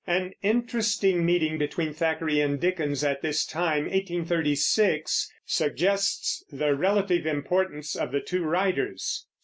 An interesting meeting between Thackeray and Dickens at this time (1836) suggests the relative importance of the two writers.